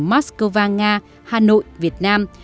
moscow nga hà nội việt nam